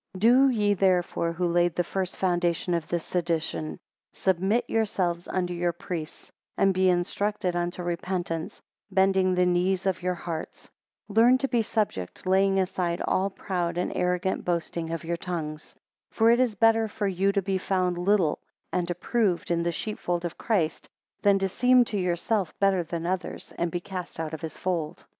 15 Do ye therefore who laid the first foundation of this sedition, submit yourselves unto your priests; and be instructed unto repentance, bending the knees of your hearts. 16 Learn to be subject, laying aside all proud and arrogant boasting of your tongues. 17 For it is better for you to be found little, and approved, in the sheepfold of Christ, than to seem to yourselves better than others, and be cast out of his fold.